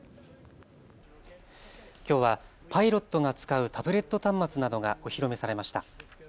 きょうはパイロットが使うタブレット端末などがお披露目されました。